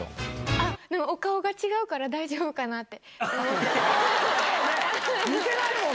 あっ、でも、お顔が違うから大丈夫かなって。